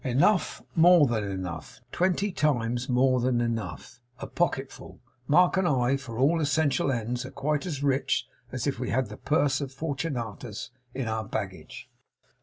'Enough! More than enough. Twenty times more than enough. A pocket full. Mark and I, for all essential ends, are quite as rich as if we had the purse of Fortunatus in our baggage.